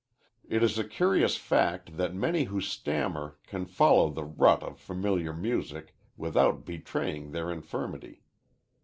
It is a curious fact that many who stammer can follow the rut of familiar music without betraying their infirmity.